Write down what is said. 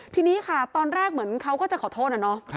ทีนี้ค่ะตอนแรกเหมือนเขาก็จะขอโทษนะเนาะ